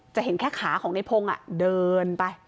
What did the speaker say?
จะเห็นแค่ขาของนายพงอ่ะเดินไป